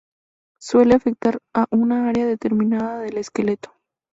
Suele afectar a un área determinada del esqueleto.